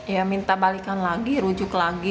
ya minta balikan lagi rujuk lagi